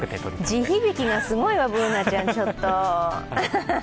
地響きがすごいわ、Ｂｏｏｎａちゃん、ちょっと！